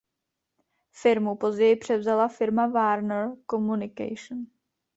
Firmu později převzala firma Warner Communications.